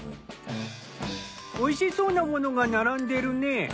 おいしそうなものが並んでるね。